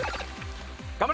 頑張れ！